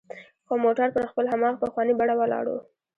خو موټر پر خپل هماغه پخواني بڼه ولاړ و.